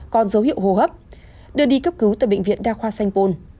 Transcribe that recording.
có dấu hiệu hô hấp đưa đi cấp cứu tại bệnh viện đa khoa sanh pôn